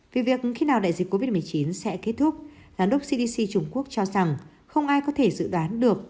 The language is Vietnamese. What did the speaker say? vì việc khi nào đại dịch covid một mươi chín sẽ kết thúc giám đốc cdc trung quốc cho rằng không ai có thể dự đoán được